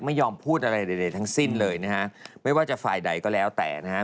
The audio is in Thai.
ไม่ยอมพูดอะไรใดทั้งสิ้นเลยนะฮะไม่ว่าจะฝ่ายใดก็แล้วแต่นะฮะ